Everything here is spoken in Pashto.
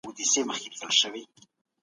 دوی د هېواد له پاره ډېر کارونه وکړل.